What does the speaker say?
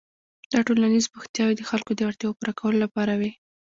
دا ټولنیز بوختیاوې د خلکو د اړتیاوو پوره کولو لپاره وې.